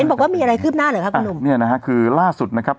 นี่นะครับคือล่าสุดนะครับ